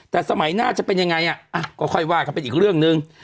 แต่สมัยหน้าจะเป็นยังไงก็ค่อยว่ากันเป็นอีกเรื่องหนึ่ง